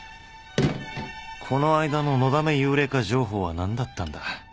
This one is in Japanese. この間の「のだめ幽霊化情報」は何だったんだ？